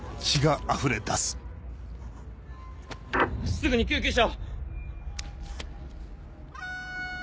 すぐに救急車を。